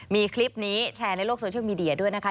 มีคลิปนี้แชร์ในโลกโซเชียลมีเดียด้วยนะคะ